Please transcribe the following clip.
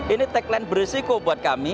ini tagline berisiko buat kami